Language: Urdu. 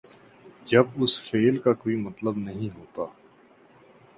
جب اس فعل کا کوئی مطلب نہیں ہوتا۔